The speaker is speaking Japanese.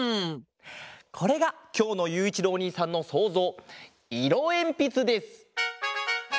これがきょうのゆういちろうおにいさんのそうぞう「いろえんぴつ」です！